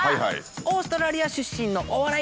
オーストラリア出身のお笑い